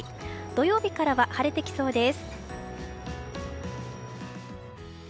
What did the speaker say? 土曜日からは晴れてきそうです。